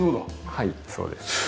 はいそうです。